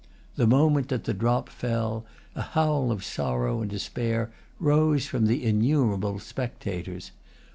The moment that the drop fell, a howl of sorrow and despair rose from the innumerable spectators.